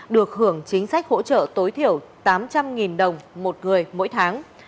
được hưởng chính sách hỗ trợ tối thiểu tám trăm linh đồng một người mỗi tháng